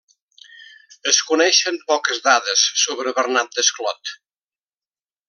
Es coneixen poques dades sobre Bernat Desclot.